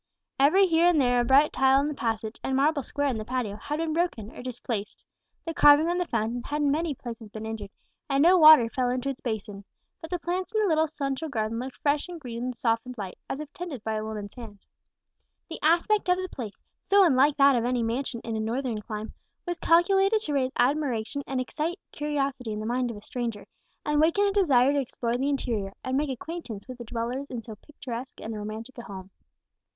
Every here and there a bright tile in the passage, and marble square in the patio, had been broken or displaced the carving on the fountain had in many places been injured, and no water fell into its basin; but the plants in the little central garden looked fresh and green in the softened light, as if tended by a woman's hand. The aspect of the place, so unlike that of any mansion in a northern clime, was calculated to raise admiration and excite curiosity in the mind of a stranger, and waken a desire to explore the interior, and make acquaintance with the dwellers in so picturesque and romantic a home.